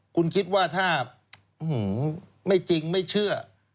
คุณคิดว่าถ้าไม่จริงไม่เชื่อ